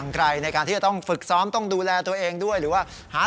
ไกลในการที่จะต้องฝึกซ้อมต้องดูแลตัวเองด้วยหรือว่าหา